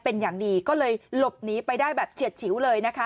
เป็นอย่างดีก็เลยหลบหนีไปได้แบบเฉียดฉิวเลยนะคะ